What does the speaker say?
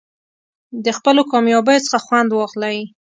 د خپلو کامیابیو څخه خوند واخلئ.